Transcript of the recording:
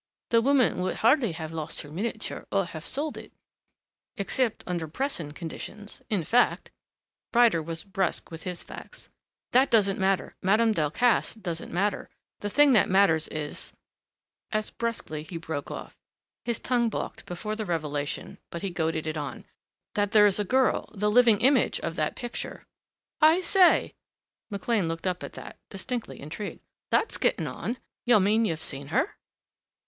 The woman would hardly have lost her miniature, or have sold it, except under pressing conditions. In fact " Ryder was brusque with his facts. "That doesn't matter Madame Delcassé doesn't matter. The thing that matters is " As brusquely he broke off. His tongue balked before the revelation but he goaded it on. "That there is a girl the living image of that picture." "I say!" McLean looked up at that, distinctly intrigued. "That's getting on.... You mean you've seen her?"